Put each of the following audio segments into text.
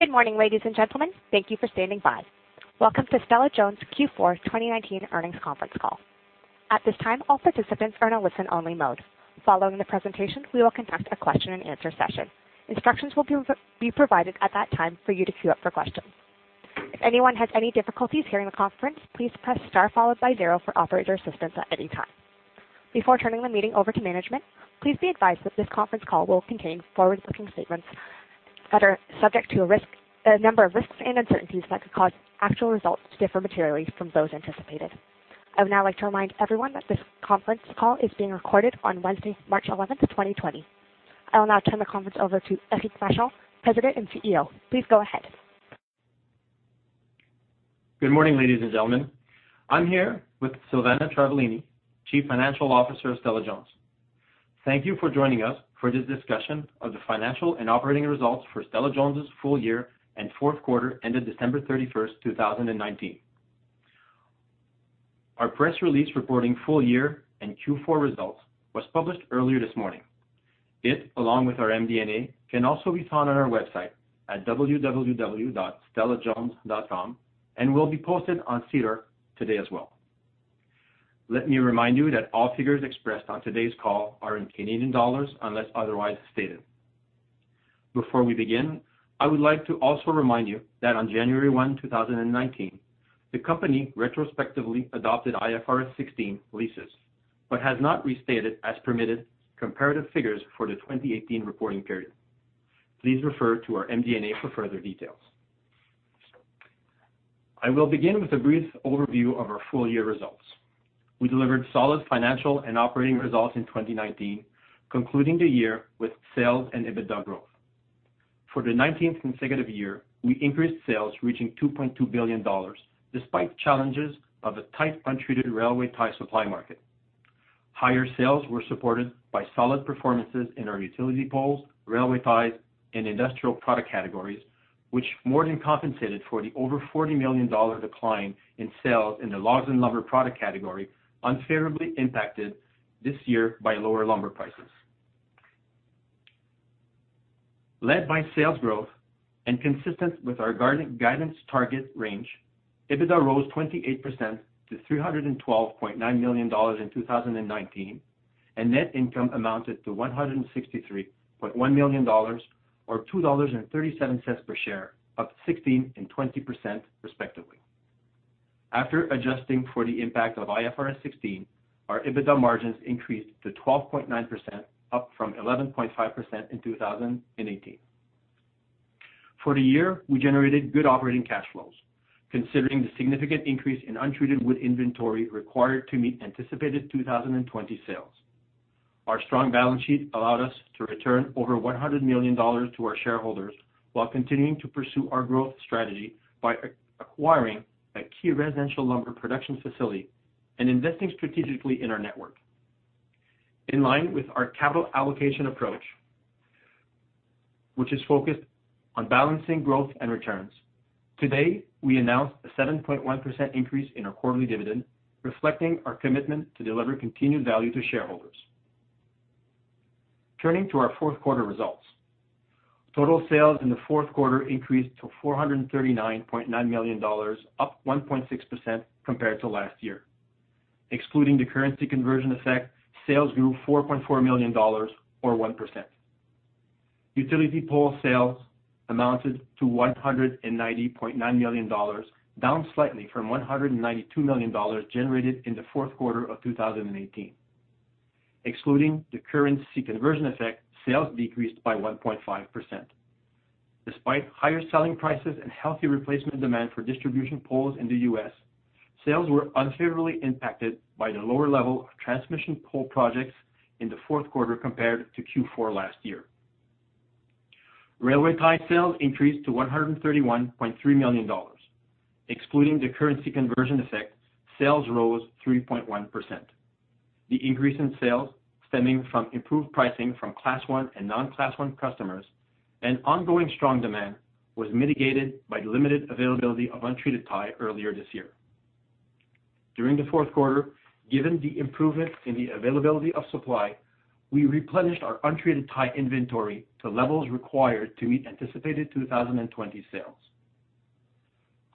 Good morning, ladies and gentlemen. Thank you for standing by. Welcome to Stella-Jones' Q4 2019 earnings conference call. At this time, all participants are in a listen-only mode. Following the presentation, we will conduct a question-and-answer session. Instructions will be provided at that time for you to queue up for questions. If anyone has any difficulties hearing the conference, please press star followed by zero for operator assistance at any time. Before turning the meeting over to management, please be advised that this conference call will contain forward-looking statements that are subject to a number of risks and uncertainties that could cause actual results to differ materially from those anticipated. I would now like to remind everyone that this conference call is being recorded on Wednesday, March 11th, 2020. I will now turn the conference over to Éric Vachon, President and CEO. Please go ahead. Good morning, ladies and gentlemen. I'm here with Silvana Travaglini, Chief Financial Officer of Stella-Jones. Thank you for joining us for this discussion of the financial and operating results for Stella-Jones' full year and fourth quarter ended December 31st, 2019. Our press release reporting full year and Q4 results was published earlier this morning. It, along with our MD&A, can also be found on our website at www.stella-jones.com and will be posted on SEDAR today as well. Let me remind you that all figures expressed on today's call are in Canadian dollars unless otherwise stated. Before we begin, I would like to also remind you that on January 1st, 2019, the company retrospectively adopted IFRS 16 leases but has not restated as permitted comparative figures for the 2018 reporting period. Please refer to our MD&A for further details. I will begin with a brief overview of our full year results. We delivered solid financial and operating results in 2019, concluding the year with sales and EBITDA growth. For the 19th consecutive year, we increased sales reaching 2.2 billion dollars, despite challenges of a tight untreated railway tie supply market. Higher sales were supported by solid performances in our utility poles, railway ties, and industrial products categories, which more than compensated for the over 40 million dollar decline in sales in the logs and lumber product category, unfavorably impacted this year by lower lumber prices. Led by sales growth and consistent with our guidance target range. EBITDA rose 28% to 312.9 million dollars in 2019, and net income amounted to 163.1 million dollars, or 2.37 dollars per share, up 16% and 20% respectively. After adjusting for the impact of IFRS 16, our EBITDA margins increased to 12.9%, up from 11.5% in 2018. For the year, we generated good operating cash flows considering the significant increase in untreated wood inventory required to meet anticipated 2020 sales. Our strong balance sheet allowed us to return over 100 million dollars to our shareholders. While continuing to pursue our growth strategy by acquiring a key residential lumber production facility and investing strategically in our network. In line with our capital allocation approach, which is focused on balancing growth and returns, today we announced a 7.1% increase in our quarterly dividend, reflecting our commitment to deliver continued value to shareholders. Turning to our fourth quarter results. Total sales in the fourth quarter increased to 439.9 million dollars, up 1.6% compared to last year. Excluding the currency conversion effect, sales grew 4.4 million dollars, or 1%. Utility pole sales amounted to 190.9 million dollars, down slightly from 192 million dollars generated in the fourth quarter of 2018. Excluding the currency conversion effect, sales decreased by 1.5%. Despite higher selling prices and healthy replacement demand for distribution poles in the U.S., sales were unfavorably impacted by the lower level of transmission pole projects in the fourth quarter compared to Q4 last year. Railway tie sales increased to 131.3 million dollars. Excluding the currency conversion effect, sales rose 3.1%. The increase in sales, stemming from improved pricing from Class 1 and non-Class 1 customers and ongoing strong demand, was mitigated by the limited availability of untreated tie earlier this year. During the fourth quarter, given the improvement in the availability of supply, we replenished our untreated tie inventory to levels required to meet anticipated 2020 sales.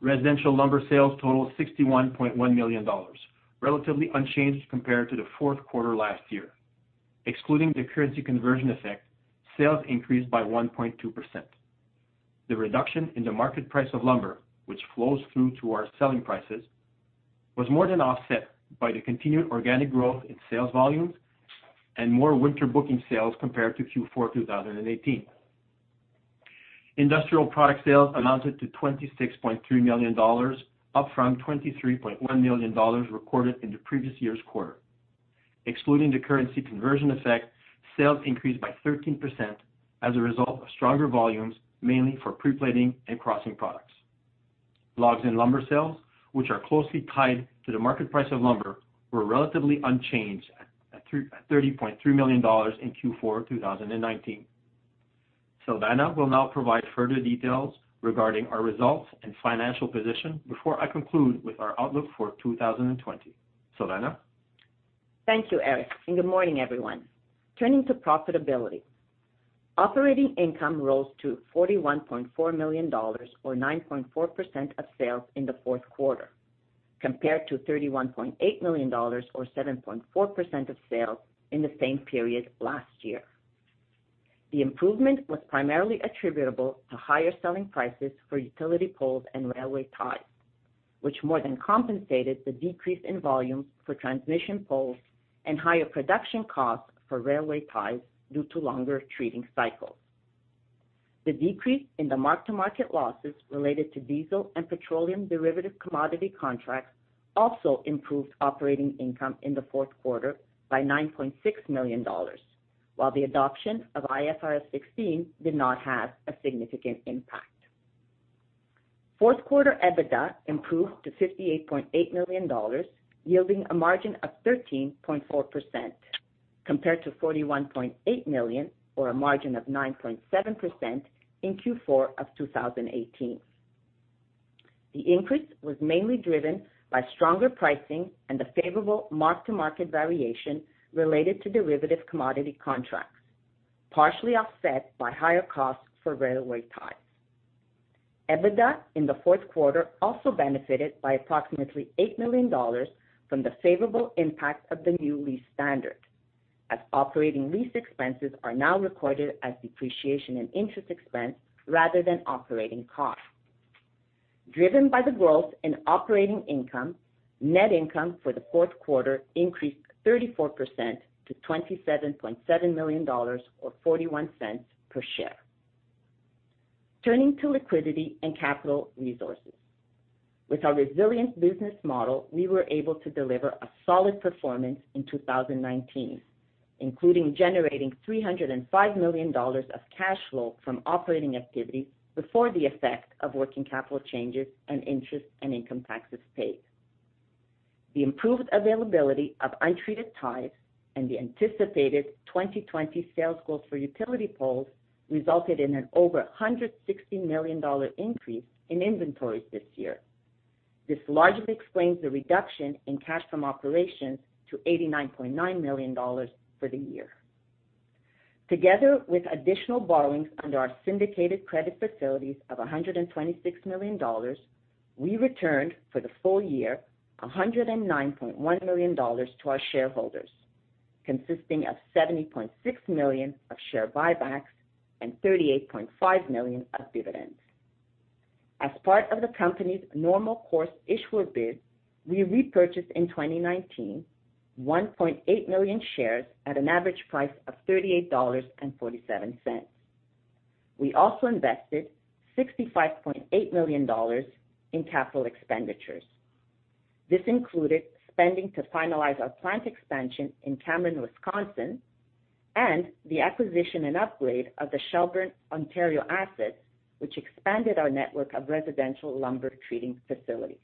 Residential lumber sales totaled 61.1 million dollars, relatively unchanged compared to the fourth quarter last year. Excluding the currency conversion effect, sales increased by 1.2%. The reduction in the market price of lumber, which flows through to our selling prices, was more than offset by the continued organic growth in sales volumes and more winter booking sales compared to Q4 2018. industrial product sales amounted to 26.3 million dollars, up from 23.1 million dollars recorded in the previous year's quarter. Excluding the currency conversion effect, sales increased by 13% as a result of stronger volumes, mainly for pre-plating and crossing products. Logs and lumber sales, which are closely tied to the market price of lumber, were relatively unchanged at 30.3 million dollars in Q4 2019. Silvana will now provide further details regarding our results and financial position before I conclude with our outlook for 2020. Silvana? Thank you, Éric, and good morning, everyone. Turning to profitability, operating income rose to 41.4 million dollars, or 9.4% of sales in the fourth quarter, compared to 31.8 million dollars, or 7.4% of sales in the same period last year. The improvement was primarily attributable to higher selling prices for utility poles and railway ties, which more than compensated the decrease in volume for transmission poles and higher production costs for railway ties due to longer treating cycles. The decrease in the mark-to-market losses related to diesel and petroleum derivative commodity contracts also improved operating income in the fourth quarter by 9.6 million dollars. While the adoption of IFRS 16 did not have a significant impact, fourth quarter EBITDA improved to 58.8 million dollars, yielding a margin of 13.4%, compared to 41.8 million, or a margin of 9.7% in Q4 of 2018. The increase was mainly driven by stronger pricing and the favorable mark-to-market variation related to derivative commodity contracts, partially offset by higher costs for railway ties. EBITDA in the fourth quarter also benefited by approximately 8 million dollars from the favorable impact of the new lease standard, as operating lease expenses are now recorded as depreciation and interest expense rather than operating costs. Driven by the growth in operating income, net income for the fourth quarter increased 34% to 27.7 million dollars, or 0.41 per share. Turning to liquidity and capital resources. With our resilient business model, we were able to deliver a solid performance in 2019. Including generating 305 million dollars of cash flow from operating activities before the effect of working capital changes and interest and income taxes paid. The improved availability of untreated ties and the anticipated 2020 sales growth for utility poles resulted in an over 160 million dollar increase in inventories this year. This largely explains the reduction in cash from operations to 89.9 million dollars for the year. Together with additional borrowings under our syndicated credit facilities of 126 million dollars. We returned, for the full year, 109.1 million dollars to our shareholders, consisting of 70.6 million of share buybacks and 38.5 million of dividends. As part of the company's normal course issuer bid, we repurchased in 2019, 1.8 million shares at an average price of 38.47 dollars. We also invested 65.8 million dollars in capital expenditures. This included spending to finalize our plant expansion in Cameron, Wisconsin, and the acquisition and upgrade of the Shelburne, Ontario assets, which expanded our network of residential lumber treating facilities.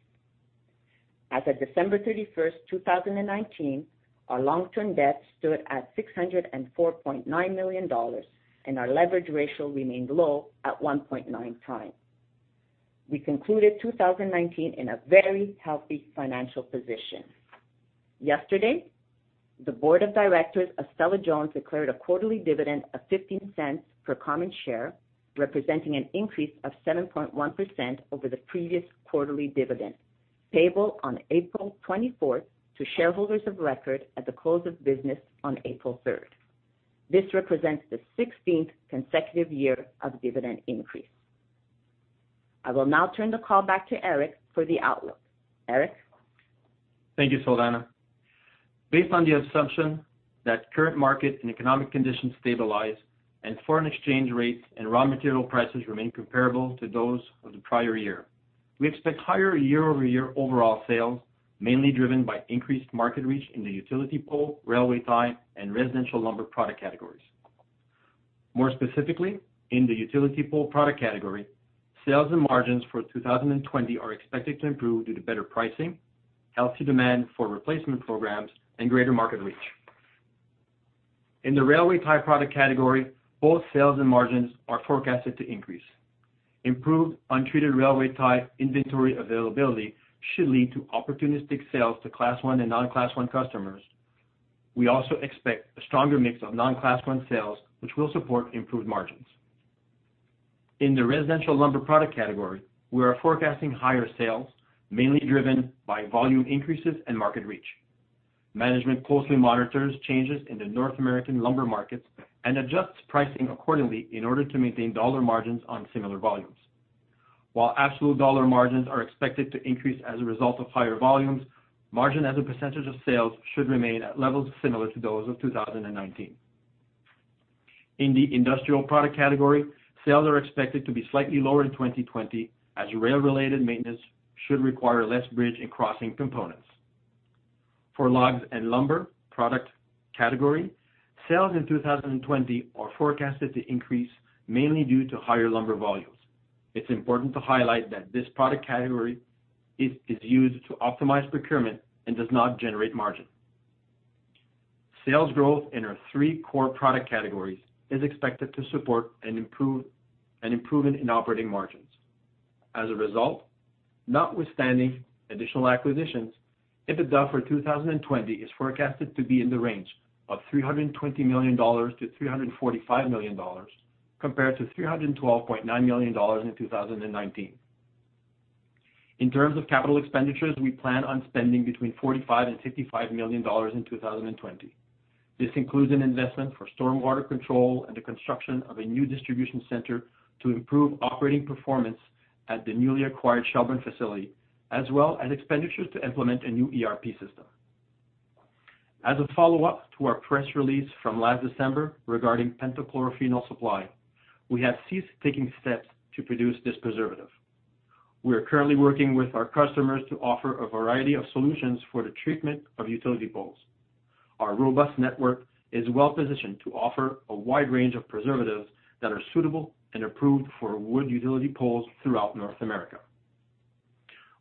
As of December 31st, 2019, our long-term debt stood at 604.9 million dollars, and our leverage ratio remained low at 1.9x. We concluded 2019 in a very healthy financial position. Yesterday, the board of directors of Stella-Jones declared a quarterly dividend of 0.15 per common share, representing an increase of 7.1% over the previous quarterly dividend, payable on April 24th to shareholders of record at the close of business on April 3rd. This represents the 16th consecutive year of dividend increase. I will now turn the call back to Éric for the outlook. Éric? Thank you, Silvana. Based on the assumption that current market and economic conditions stabilize and foreign exchange rates and raw material prices remain comparable to those of the prior year, we expect higher year-over-year overall sales, mainly driven by increased market reach in the utility pole, railway tie, and residential lumber product categories. More specifically, in the utility pole product category, sales and margins for 2020 are expected to improve due to better pricing, healthy demand for replacement programs, and greater market reach. In the railway tie product category, both sales and margins are forecasted to increase. Improved untreated railway tie inventory availability should lead to opportunistic sales to Class I and non-Class I customers. We also expect a stronger mix of non-Class I sales, which will support improved margins. In the residential lumber product category, we are forecasting higher sales, mainly driven by volume increases and market reach. Management closely monitors changes in the North American lumber markets and adjusts pricing accordingly in order to maintain dollar margins on similar volumes. While absolute dollar margins are expected to increase as a result of higher volumes, margin as a percentage of sales should remain at levels similar to those of 2019. In the industrial products category, sales are expected to be slightly lower in 2020 as rail-related maintenance should require less bridge and crossing products. For logs and lumber product category, sales in 2020 are forecasted to increase mainly due to higher lumber volumes. It's important to highlight that this product category is used to optimize procurement and does not generate margin. Sales growth in our three core product categories is expected to support an improvement in operating margins. As a result, notwithstanding additional acquisitions, EBITDA for 2020 is forecasted to be in the range of 320 million-345 million dollars, compared to 312.9 million dollars in 2019. In terms of capital expenditures, we plan on spending between 45 million and 55 million dollars in 2020. This includes an investment for storm water control and the construction of a new distribution center to improve operating performance at the newly acquired Shelburne facility, as well as expenditures to implement a new ERP system. As a follow-up to our press release from last December regarding pentachlorophenol supply, we have ceased taking steps to produce this preservative. We are currently working with our customers to offer a variety of solutions for the treatment of utility poles. Our robust network is well-positioned to offer a wide range of preservatives that are suitable and approved for wood utility poles throughout North America.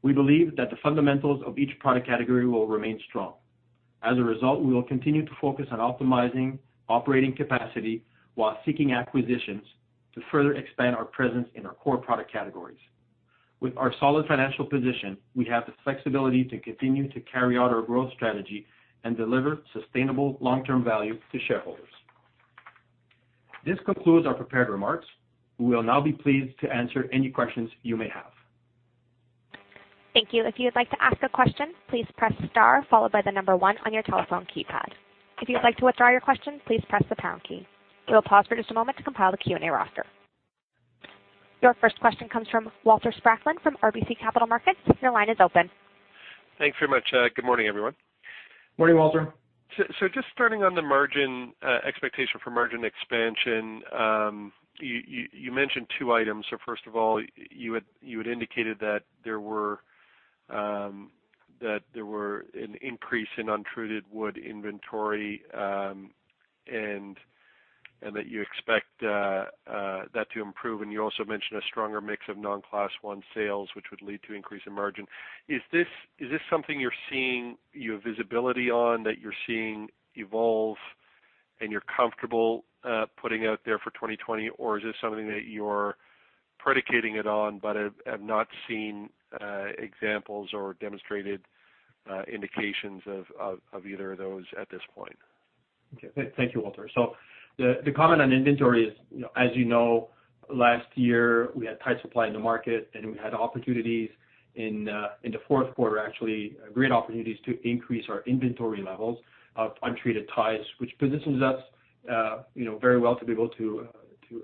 We believe that the fundamentals of each product category will remain strong. We will continue to focus on optimizing operating capacity while seeking acquisitions to further expand our presence in our core product categories. With our solid financial position, we have the flexibility to continue to carry out our growth strategy and deliver sustainable long-term value to shareholders. This concludes our prepared remarks. We will now be pleased to answer any questions you may have. Thank you. If you would like to ask a question, please press star followed by the number 1 on your telephone keypad. If you'd like to withdraw your question, please press the pound key. We'll pause for just a moment to compile the Q&A roster. Your first question comes from Walter Spracklin from RBC Capital Markets. Your line is open. Thanks very much. Good morning, everyone. Morning, Walter. Just starting on the expectation for margin expansion. You mentioned two items. First of all, you had indicated that there were an increase in untreated wood inventory, and that you expect that to improve, and you also mentioned a stronger mix of non-Class 1 sales, which would lead to increase in margin. Is this something you have visibility on that you're seeing evolve, and you're comfortable putting out there for 2020? Or is this something that you're predicating it on but have not seen examples or demonstrated indications of either of those at this point? Okay. Thank you, Walter. The comment on inventory is, as you know, last year we had tight supply in the market, and we had opportunities in the fourth quarter, actually, great opportunities to increase our inventory levels of untreated ties, which positions us very well to be able to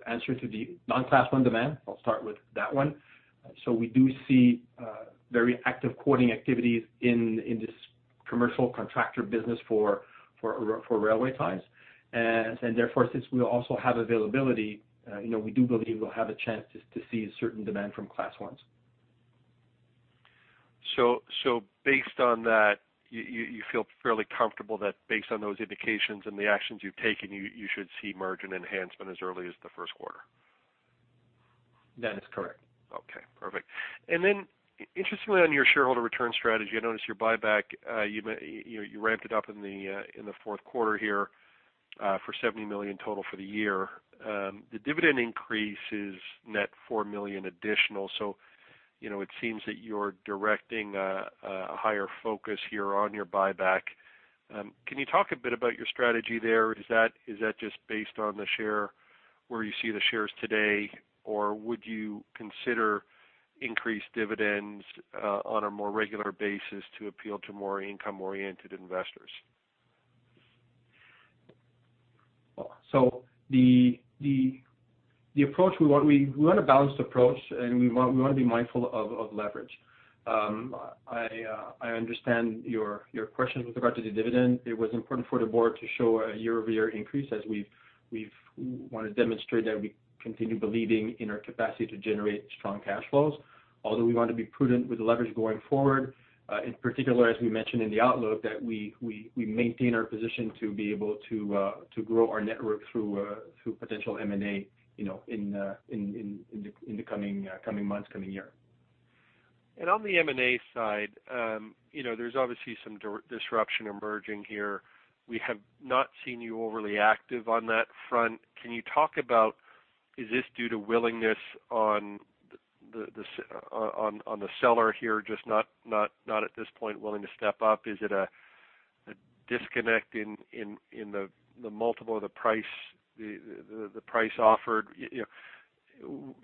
answer to the non-Class 1 demand. I'll start with that one. We do see very active quoting activities in this commercial contractor business for railway ties. Therefore, since we also have availability, we do believe we'll have a chance to see certain demand from Class 1s. Based on that, you feel fairly comfortable that based on those indications and the actions you've taken, you should see margin enhancement as early as the first quarter? That is correct. Okay. Perfect. Interestingly, on your shareholder return strategy, I noticed your buyback, you ramped it up in the fourth quarter here, for 70 million total for the year. The dividend increase is net 4 million additional. It seems that you're directing a higher focus here on your buyback. Can you talk a bit about your strategy there? Is that just based on where you see the shares today, or would you consider increased dividends on a more regular basis to appeal to more income-oriented investors? We want a balanced approach, and we want to be mindful of leverage. I understand your question with regard to the dividend. It was important for the board to show a year-over-year increase, as we want to demonstrate that we continue believing in our capacity to generate strong cash flows. Although we want to be prudent with the leverage going forward, in particular, as we mentioned in the outlook, that we maintain our position to be able to grow our network through potential M&A in the coming months, coming year. On the M&A side, there's obviously some disruption emerging here. We have not seen you overly active on that front. Can you talk about, is this due to willingness on the seller here, just not at this point willing to step up? Is it a disconnect in the multiple of the price offered?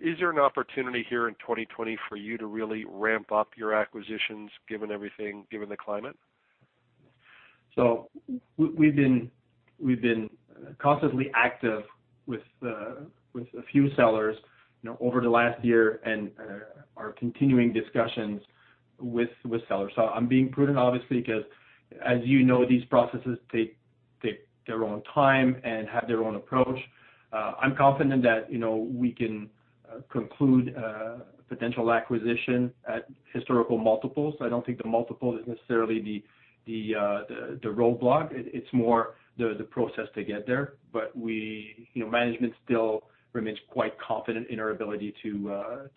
Is there an opportunity here in 2020 for you to really ramp up your acquisitions given everything, given the climate? We've been constantly active with a few sellers over the last year and are continuing discussions with sellers. I'm being prudent, obviously, because as you know, these processes take their own time and have their own approach. I'm confident that we can conclude a potential acquisition at historical multiples. I don't think the multiple is necessarily the roadblock. It's more the process to get there. Management still remains quite confident in our ability to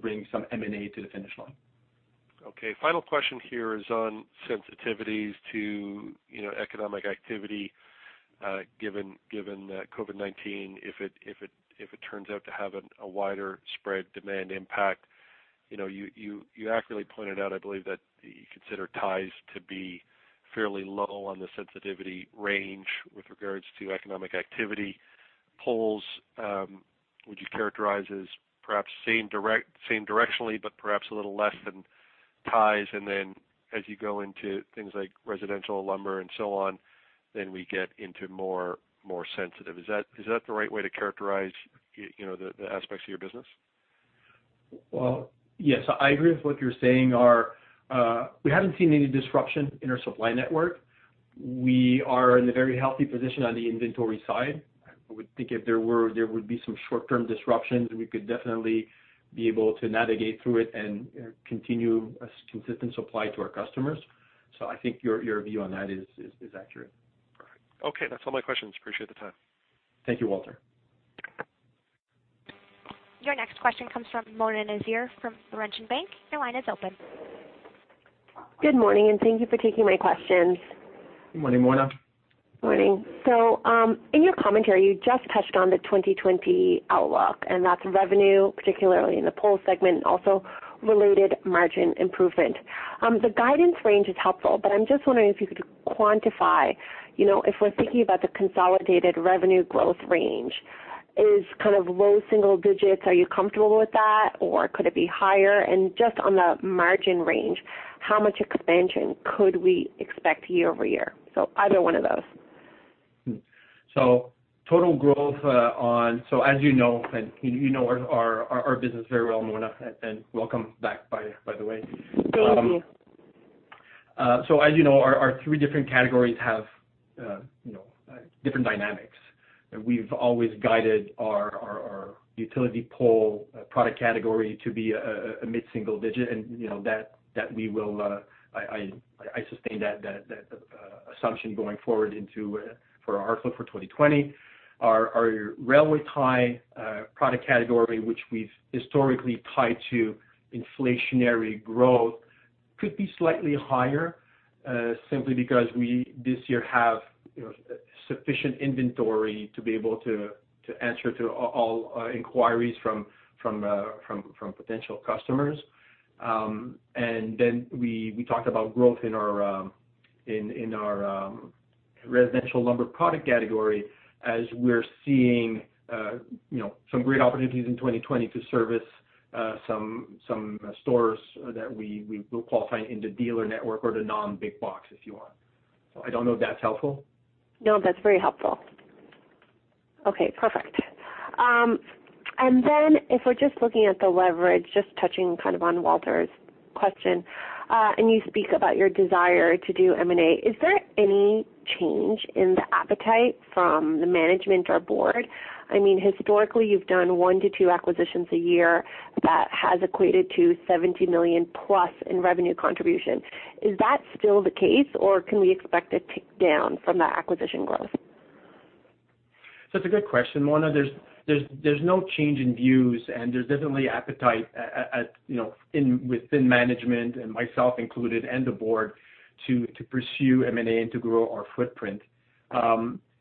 bring some M&A to the finish line. Okay. Final question here is on sensitivities to economic activity, given that COVID-19, if it turns out to have a wider spread demand impact. You accurately pointed out, I believe, that you consider ties to be fairly low on the sensitivity range with regards to economic activity. Poles, would you characterize as perhaps same directionally, but perhaps a little less than ties? As you go into things like residential lumber and so on, then we get into more sensitive. Is that the right way to characterize the aspects of your business? Well, yes. I agree with what you're saying. We haven't seen any disruption in our supply network. We are in a very healthy position on the inventory side. I would think if there were, there would be some short-term disruptions, we could definitely be able to navigate through it and continue a consistent supply to our customers. I think your view on that is accurate. Perfect. Okay. That is all my questions. Appreciate the time. Thank you, Walter. Your next question comes from Mona Nazir from Laurentian Bank. Your line is open. Good morning, and thank you for taking my questions. Good morning, Mona. Morning. In your commentary, you just touched on the 2020 outlook, and that is revenue, particularly in the pole segment, also related margin improvement. The guidance range is helpful, but I am just wondering if you could quantify, if we are thinking about the consolidated revenue growth range is kind of low single digits, are you comfortable with that? Or could it be higher? And just on the margin range, how much expansion could we expect year-over-year? So either one of those. Total growth so as you know, and you know our business very well, Mona, and welcome back, by the way. Thank you. As you know, our three different categories have different dynamics. We've always guided our utility pole product category to be a mid-single digit, and I sustain that assumption going forward for our outlook for 2020. Our railway tie product category, which we've historically tied to inflationary growth, could be slightly higher, simply because we, this year, have sufficient inventory to be able to answer to all inquiries from potential customers. Then we talked about growth in our residential lumber product category. As we're seeing some great opportunities in 2020 to service some stores that we will qualify into dealer network or the non-big box, if you want. I don't know if that's helpful. No, that's very helpful. Okay, perfect. If we're just looking at the leverage, just touching kind of on Walter's question, and you speak about your desire to do M&A, is there any change in the appetite from the management or board? Historically, you've done one to two acquisitions a year that has equated to 70 million plus in revenue contribution. Is that still the case, or can we expect a tick down from the acquisition growth? It's a good question, Mona. There's no change in views and there's definitely appetite within management and myself included and the board to pursue M&A and to grow our footprint.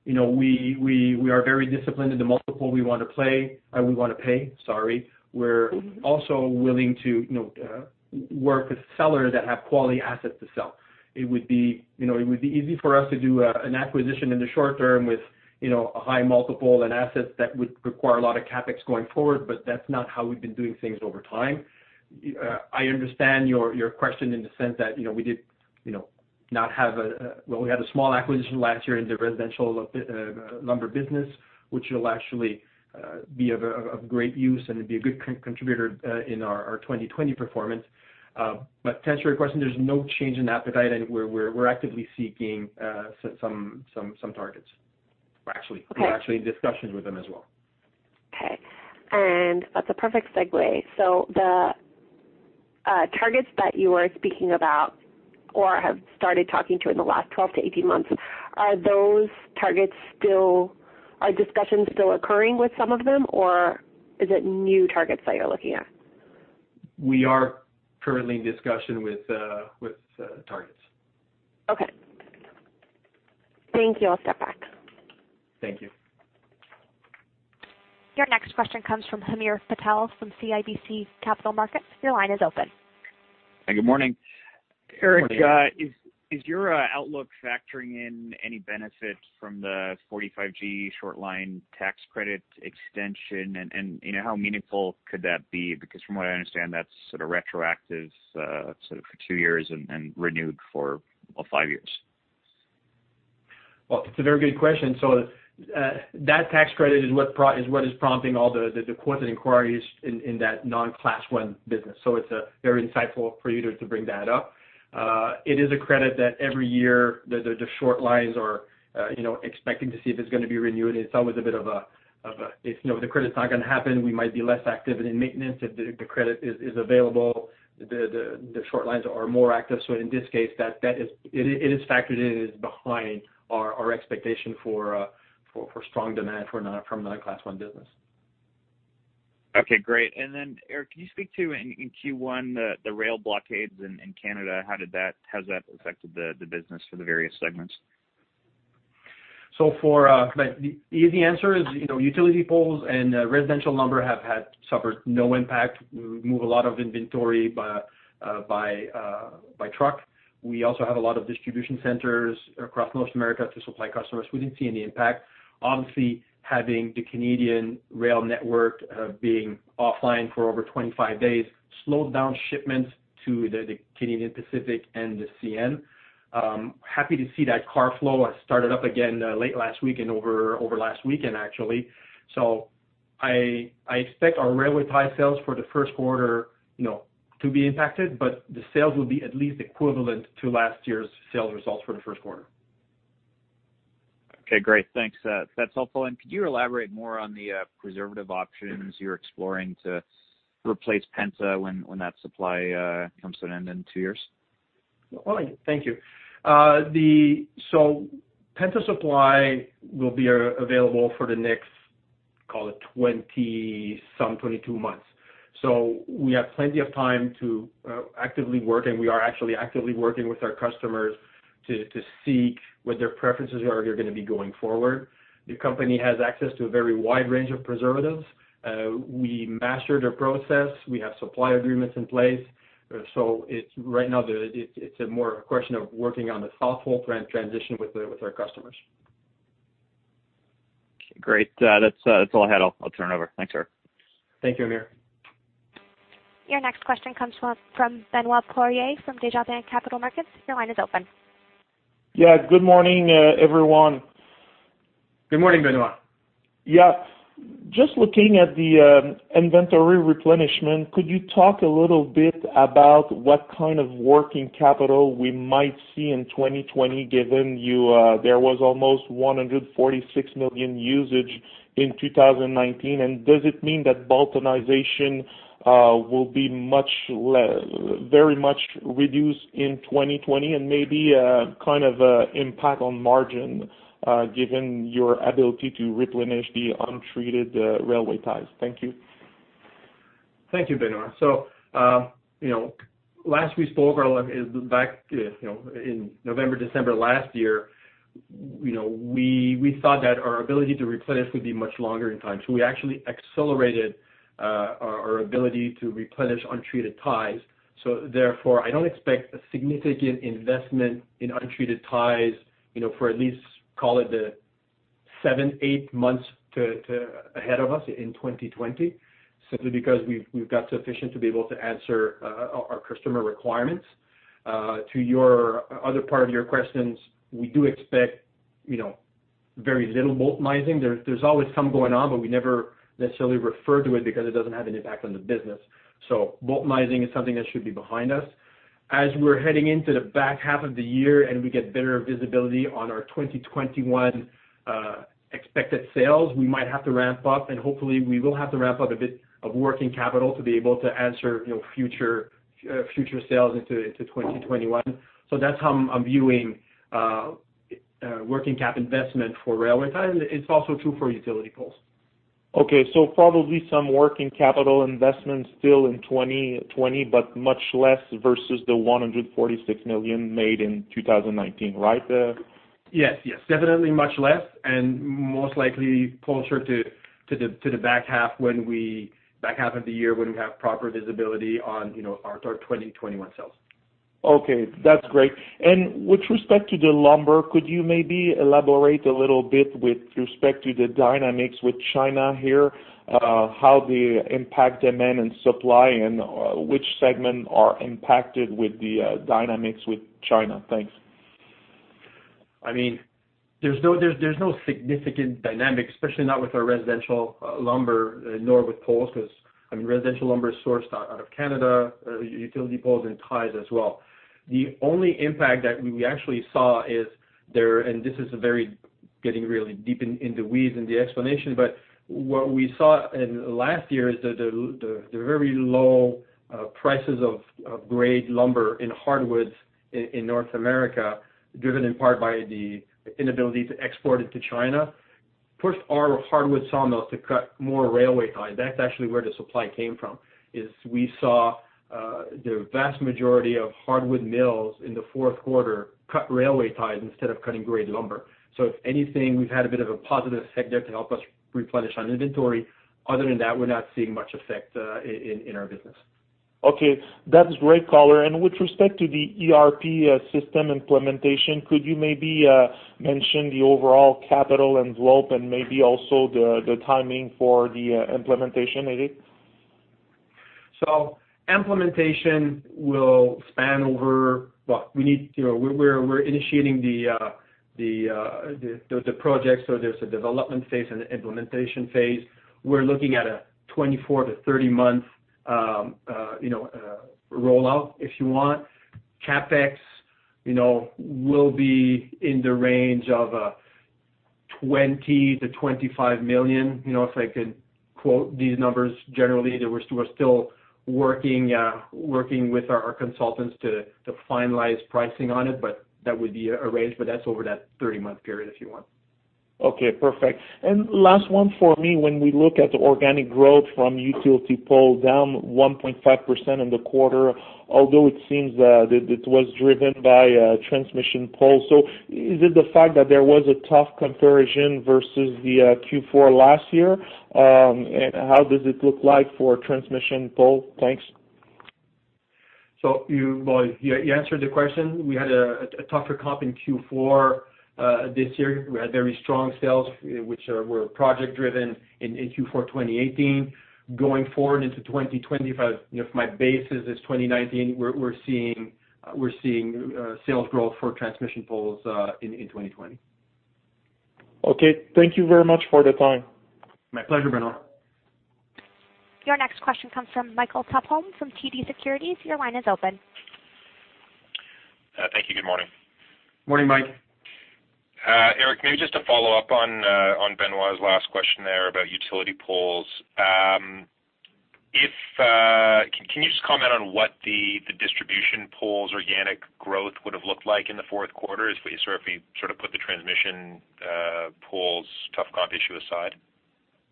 We are very disciplined in the multiple we want to pay. We're also willing to work with sellers that have quality assets to sell. It would be easy for us to do an acquisition in the short term with a high multiple and assets that would require a lot of CapEx going forward, that's not how we've been doing things over time. I understand your question in the sense that we had a small acquisition last year in the residential lumber business, which will actually be of great use and it'd be a good contributor in our 2020 performance. To answer your question, there's no change in appetite, and we're actively seeking some targets. We're actually in discussions with them as well. Okay. That's a perfect segue. The targets that you were speaking about or have started talking to in the last 12-18 months, are discussions still occurring with some of them, or is it new targets that you're looking at? We are currently in discussion with targets. Okay. Thank you. I'll step back. Thank you. Your next question comes from Hamir Patel from CIBC Capital Markets. Your line is open. Good morning. Good morning. Éric, is your outlook factoring in any benefit from the 45G short line tax credit extension, and how meaningful could that be? From what I understand, that's sort of retroactive for two years and renewed for five years. Well, it's a very good question. That tax credit is what is prompting all the quoted inquiries in that non-Class 1 business. It's very insightful for you to bring that up. It is a credit that every year, the short lines are expecting to see if it's going to be renewed. It's always, if the credit's not going to happen, we might be less active in maintenance. If the credit is available, the short lines are more active. In this case, it is factored in, it is behind our expectation for strong demand from non-Class 1 business. Okay, great. Éric, can you speak to in Q1, the rail blockades in Canada, how has that affected the business for the various segments? The easy answer is, utility poles and residential lumber have suffered no impact. We move a lot of inventory by truck. We also have a lot of distribution centers across North America to supply customers. We didn't see any impact. Obviously, having the Canadian rail network being offline for over 25 days slowed down shipments to the Canadian Pacific and the CN. Happy to see that car flow has started up again late last week and over last weekend, actually. I expect our railway tie sales for the first quarter to be impacted, but the sales will be at least equivalent to last year's sales results for the first quarter. Okay, great. Thanks. That's helpful. Could you elaborate more on the preservative options you're exploring to replace penta when that supply comes to an end in two years? Well, thank you. Penta supply will be available for the next, call it 20-some, 22 months. We have plenty of time to actively work, and we are actually actively working with our customers to see what their preferences are going to be going forward. The company has access to a very wide range of preservatives. We mastered a process. We have supply agreements in place. Right now, it's a more a question of working on a thoughtful transition with our customers. Okay, great. That's all I had. I'll turn it over. Thanks, Éric. Thank you, Hamir. Your next question comes from Benoit Poirier, from Desjardins Capital Markets. Your line is open. Yeah. Good morning, everyone. Good morning, Benoit. Yeah. Just looking at the inventory replenishment, could you talk a little bit about what kind of working capital we might see in 2020, given there was almost 146 million usage in 2019? Does it mean that Boultonization will be very much reduced in 2020 and maybe kind of impact on margin, given your ability to replenish the untreated railway ties? Thank you. Thank you, Benoit. Last we spoke is back in November, December 2019. We thought that our ability to replenish would be much longer in time. We actually accelerated our ability to replenish untreated ties. Therefore, I don't expect a significant investment in untreated ties, for at least call it the seven, eight months ahead of us in 2020, simply because we've got sufficient to be able to answer our customer requirements. To your other part of your questions, we do expect very little Boultonizing. There's always some going on, but we never necessarily refer to it because it doesn't have an impact on the business. Boultonizing is something that should be behind us. As we're heading into the back half of the year and we get better visibility on our 2021 expected sales, we might have to ramp up, and hopefully we will have to ramp up a bit of working capital to be able to answer future sales into 2021. That's how I'm viewing working cap investment for railway ties, and it's also true for utility poles. Okay. Probably some working capital investments still in 2020, but much less versus the 146 million made in 2019, right? Yes. Definitely much less and most likely closer to the back half of the year when we have proper visibility on our 2021 sales. Okay. That's great. With respect to the lumber, could you maybe elaborate a little bit with respect to the dynamics with China here, how they impact demand and supply, and which segment are impacted with the dynamics with China? Thanks. There's no significant dynamic, especially not with our residential lumber, nor with poles, because residential lumber is sourced out of Canada, utility poles and ties as well. The only impact that we actually saw is, and this is getting really deep into weeds in the explanation, but what we saw in last year is the very low prices of grade lumber in hardwoods in North America, driven in part by the inability to export it to China, pushed our hardwood sawmills to cut more railway ties. That's actually where the supply came from, is we saw the vast majority of hardwood mills in the fourth quarter cut railway ties instead of cutting grade lumber. If anything, we've had a bit of a positive effect there to help us replenish our inventory. Other than that, we're not seeing much effect in our business. Okay. That's great color. With respect to the ERP system implementation, could you maybe mention the overall capital envelope and maybe also the timing for the implementation, maybe? Implementation will span over Well, we're initiating the project, so there's a development phase and an implementation phase. We're looking at a 24 to 30-month rollout, if you want. CapEx will be in the range of 20 million-25 million. If I could quote these numbers, generally, we're still working with our consultants to finalize pricing on it, that would be a range, that's over that 30-month period, if you want. Okay, perfect. Last one for me, when we look at organic growth from utility pole down 1.5% in the quarter, although it seems that it was driven by transmission pole. Is it the fact that there was a tough comparison versus the Q4 last year? How does it look like for transmission pole? Thanks. You answered the question. We had a tougher comp in Q4 this year. We had very strong sales, which were project-driven in Q4 2018. Going forward into 2020, if my basis is 2019, we're seeing sales growth for transmission poles in 2020. Okay. Thank you very much for the time. My pleasure, Benoit. Your next question comes from Michael Tupholme from TD Securities. Your line is open. Thank you. Good morning. Morning, Mike. Éric, maybe just to follow up on Benoit's last question there about utility poles. Can you just comment on what the distribution poles organic growth would have looked like in the fourth quarter if we sort of put the transmission poles tough comp issue aside?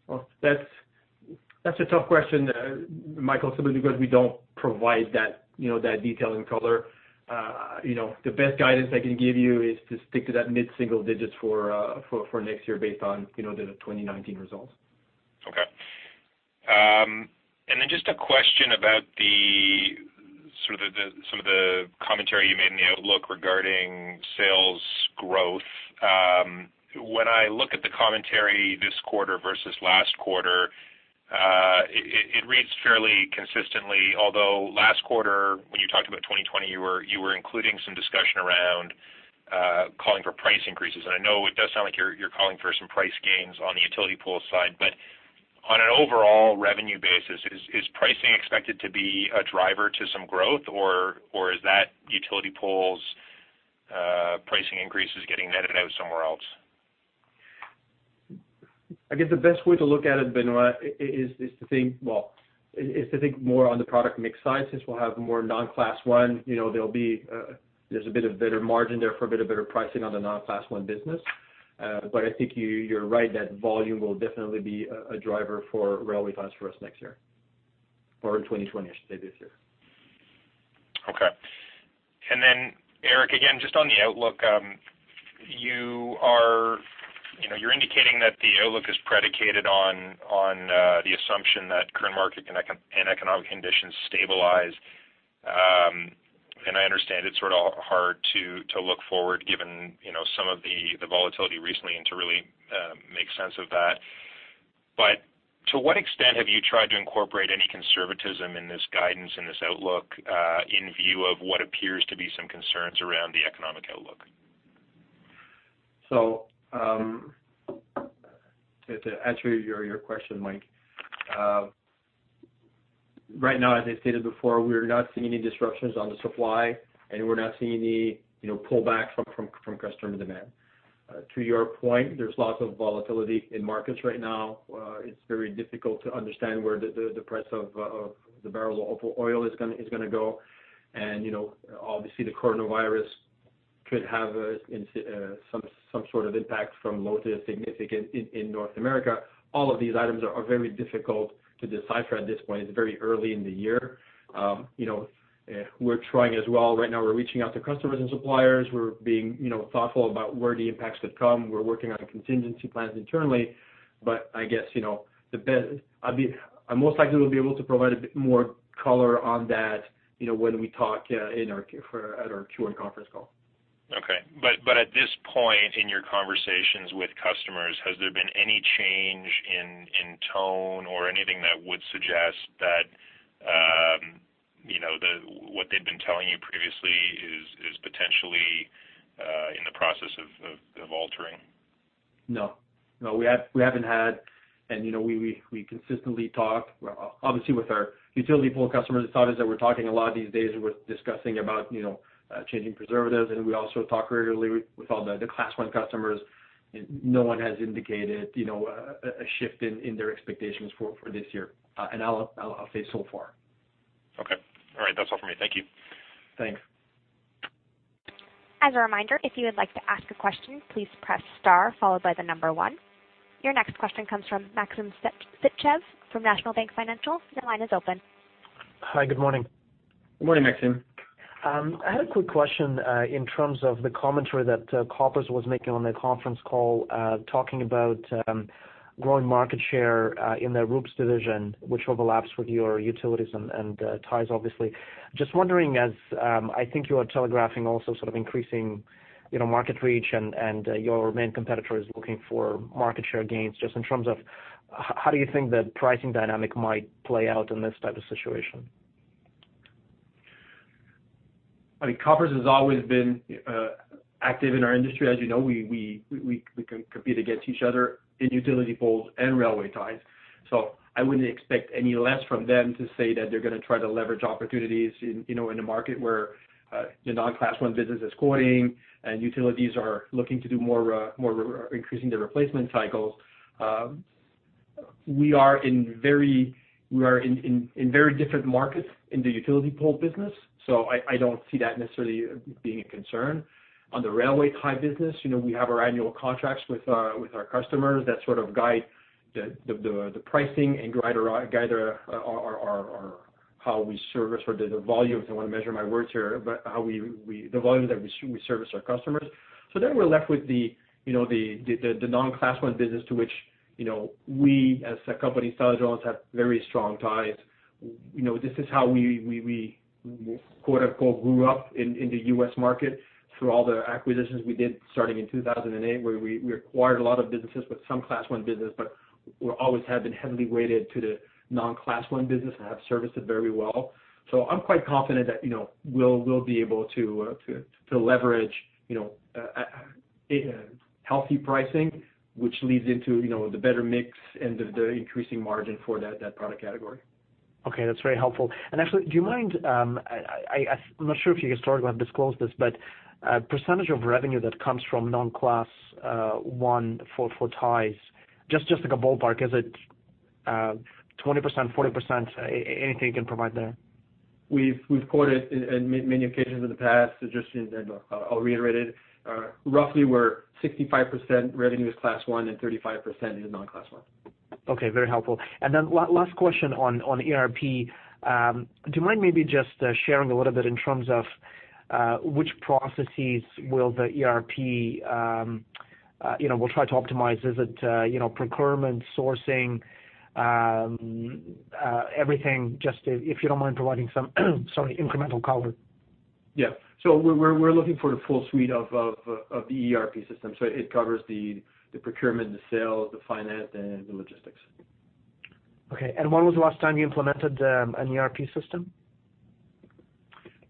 Well, that's a tough question, Michael, simply because we don't provide that detail and color. The best guidance I can give you is to stick to that mid-single digits for next year based on the 2019 results. Okay. Just a question about some of the commentary you made in the outlook regarding sales growth. When I look at the commentary this quarter versus last quarter, it reads fairly consistently. Last quarter, when you talked about 2020, you were including some discussion around calling for price increases. I know it does sound like you're calling for some price gains on the utility pole side, but on an overall revenue basis, is pricing expected to be a driver to some growth, or is that utility poles pricing increases getting netted out somewhere else? I guess the best way to look at it, Benoit, is to think more on the product mix side, since we'll have more non-Class 1. There's a bit of better margin there for a bit of better pricing on the non-Class 1 business. I think you're right, that volume will definitely be a driver for railway ties for us next year, or in 2020, I should say, this year. Okay. Éric, again, just on the outlook, you're indicating that the outlook is predicated on the assumption that current market and economic conditions stabilize. I understand it's sort of hard to look forward given some of the volatility recently and to really make sense of that. To what extent have you tried to incorporate any conservatism in this guidance, in this outlook, in view of what appears to be some concerns around the economic outlook? To answer your question, Mike, right now, as I stated before, we're not seeing any disruptions on the supply, and we're not seeing any pullbacks from customer demand. To your point, there's lots of volatility in markets right now. It's very difficult to understand where the price of the barrel of oil is going to go. Obviously, the coronavirus could have some sort of impact from low to significant in North America. All of these items are very difficult to decipher at this point. It's very early in the year. We're trying as well. Right now, we're reaching out to customers and suppliers. We're being thoughtful about where the impacts could come. We're working on contingency plans internally. I guess, I most likely will be able to provide a bit more color on that when we talk at our Q1 conference call. Okay. At this point in your conversations with customers, has there been any change in tone or anything that would suggest that what they've been telling you previously is potentially in the process of altering? No. No, we haven't had, and we consistently talk, obviously, with our utility pole customers. The thought is that we're talking a lot these days with discussing about changing preservatives, and we also talk regularly with all the Class 1 customers. No one has indicated a shift in their expectations for this year, and I'll say so far. Okay. All right. That's all for me. Thank you. Thanks. As a reminder, if you would like to ask a question, please press star followed by the number one. Your next question comes from Maxim Sytchev from National Bank Financial. Your line is open. Hi, good morning. Good morning, Maxim. I had a quick question in terms of the commentary that Koppers was making on their conference call, talking about growing market share in their groups division, which overlaps with your utilities and ties, obviously. Just wondering, as I think you are telegraphing also sort of increasing market reach and your main competitor is looking for market share gains, just in terms of how do you think the pricing dynamic might play out in this type of situation? I mean, Koppers has always been active in our industry. As you know, we compete against each other in utility poles and railway ties. I wouldn't expect any less from them to say that they're going to try to leverage opportunities in a market where the non-Class I business is growing and utilities are looking to do more, increasing their replacement cycles. We are in very different markets in the utility pole business, so I don't see that necessarily being a concern. On the railway tie business, we have our annual contracts with our customers that sort of guide the pricing and guide how we service, or the volumes, I want to measure my words here, but the volumes that we service our customers. We're left with the non-Class 1 business, to which we as a company, Stella-Jones, have very strong ties. This is how we grew up in the U.S. market through all the acquisitions we did starting in 2008, where we acquired a lot of businesses with some Class 1 business, but we always have been heavily weighted to the non-Class 1 business and have serviced it very well. I'm quite confident that we'll be able to leverage healthy pricing, which leads into the better mix and the increasing margin for that product category. Okay, that's very helpful. Actually, do you mind, I'm not sure if you historically have disclosed this, but percentage of revenue that comes from non-Class 1 for ties, just like a ballpark. Is it 20%, 40%? Anything you can provide there? We've quoted in many occasions in the past, just I'll reiterate it. Roughly we're 65% revenue is Class 1 and 35% is non-Class 1. Okay. Very helpful. Last question on ERP. Do you mind maybe just sharing a little bit in terms of which processes will the ERP try to optimize? Is it procurement, sourcing, everything? Just if you don't mind providing some sorry, incremental color. We're looking for the full suite of the ERP system. It covers the procurement, the sales, the finance, and the logistics. Okay, when was the last time you implemented an ERP system?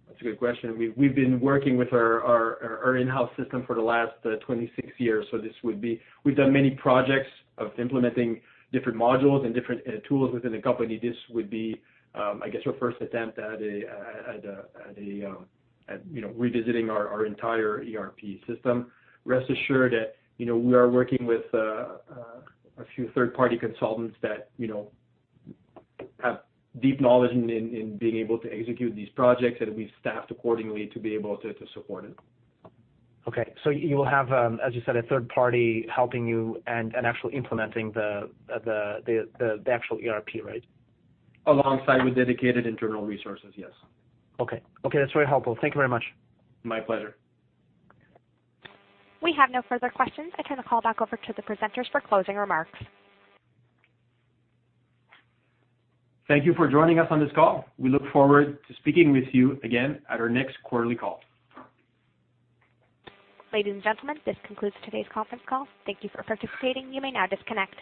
That's a good question. We've been working with our in-house system for the last 26 years. We've done many projects of implementing different modules and different tools within the company. This would be, I guess, our first attempt at revisiting our entire ERP system. Rest assured that we are working with a few third-party consultants that have deep knowledge in being able to execute these projects, and we've staffed accordingly to be able to support it. Okay. You will have, as you said, a third party helping you and actually implementing the actual ERP, right? Alongside with dedicated internal resources, yes. Okay. That's very helpful. Thank you very much. My pleasure. We have no further questions. I turn the call back over to the presenters for closing remarks. Thank you for joining us on this call. We look forward to speaking with you again at our next quarterly call. Ladies and gentlemen, this concludes today's conference call. Thank you for participating. You may now disconnect.